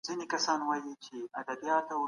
هغه غوښتل يوه ارماني ټولنه جوړه کړي.